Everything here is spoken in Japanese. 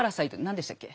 何でしたっけ？